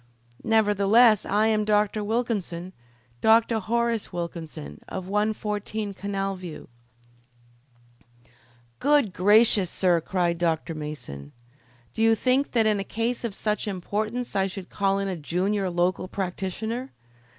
"Nevertheless I am Dr. Wilkinson Dr. Horace Wilkinson, of 114 Canal View." "Good gracious, Sir John!" cried Dr. Mason. "Did you think that in a case of such importance I should call in a junior local practitioner!